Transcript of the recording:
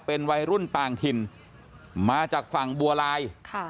เป็นวัยรุ่นต่างถิ่นมาจากฝั่งบัวลาย